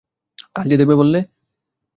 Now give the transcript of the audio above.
কাল যে দেবে বললে?